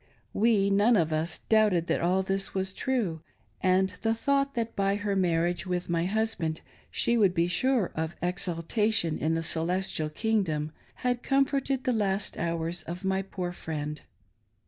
We none of us doubted that all this was true ; and the thought that by her marriage with my hus band she would be sure of " exaltation " in the celestia,l kingdom had comforted the last hours of my poor friend.